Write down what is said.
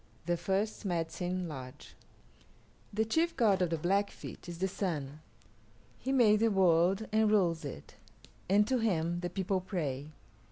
THE FIRST MEDICINE LODGE The chief god of the Blackfeet is the Sun. He made the world and rules it, and to him the people pray.